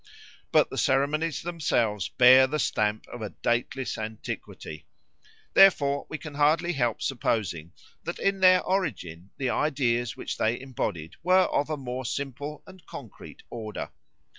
But the ceremonies themselves bear the stamp of a dateless antiquity; therefore we can hardly help supposing that in their origin the ideas which they embodied were of a more simple and concrete order.